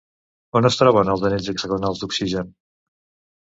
On es troben els anells hexagonals d'oxigen?